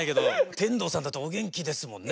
天童さんだってお元気ですもんね。